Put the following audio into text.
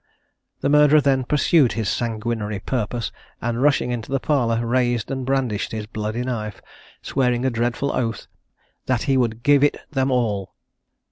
The murderer then pursued his sanguinary purpose, and rushing into the parlour, raised and brandished his bloody knife, swearing a dreadful oath, that "he would give it them all."